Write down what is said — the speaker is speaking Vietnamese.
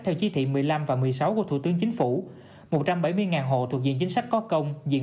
theo chí thị một mươi năm và một mươi sáu của thủ tướng chính phủ một trăm bảy mươi hộ thuộc diện chính sách có công diễn